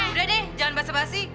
udah deh jangan basa basi